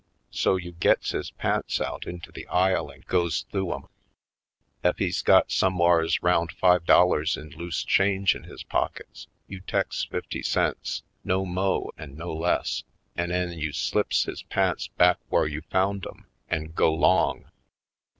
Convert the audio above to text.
So you gits his pants out into the aisle an' goes th'ough 'em. Ef he's got somewhars 'round five dollars in loose change in his pockets, you teks fifty cents, no mo' an' no less, an' 'en you slips his pants back whar you found 'em an' go 'long.